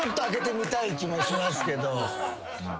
開けてみたい気もしますけど。